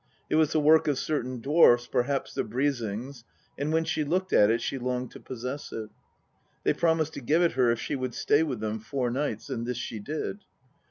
It was the work of certain dwarfs, perhaps the Brisings, and when she looked at it she longed to possess it. They promised to give it her if she would stay with them four nights, and this she did.